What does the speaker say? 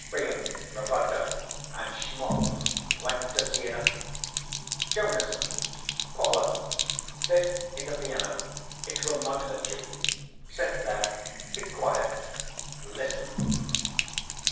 Brio, Rubato and Schmalz went to sea in a Jonason, Paula, this is a piano. It will not hurt you. Sit there, be quiet, listen."